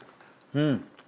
うん。